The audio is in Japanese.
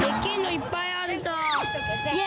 いっぱいあるぞ。